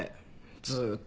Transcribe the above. ずーっと。